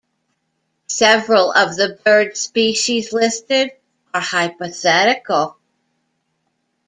Several of the bird species listed are hypothetical.